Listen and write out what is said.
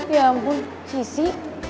ya ampun sisi